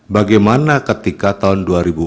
bagaimana ketika tahun dua ribu empat belas